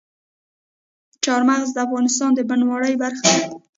چار مغز د افغانستان د بڼوالۍ برخه ده.